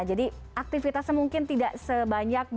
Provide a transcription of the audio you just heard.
jadi aktivitasnya mungkin tidak sebanyak itu